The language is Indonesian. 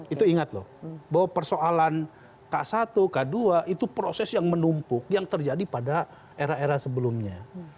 itu ingat loh bahwa persoalan k satu k dua itu proses yang menumpuk yang terjadi pada era era sebelumnya